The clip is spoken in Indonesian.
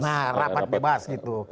nah rapat bebas gitu